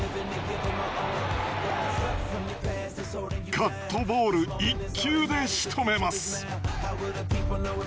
カットボール１球でしとめます。